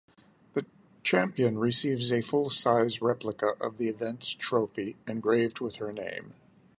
The champion receives a full-size replica of the event's trophy engraved with her name.